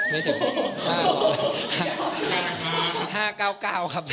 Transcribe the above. ไม่ถึง๕๙๙ครับ